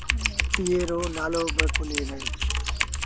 ايئي رو نآلو با ڪونهي رهي۔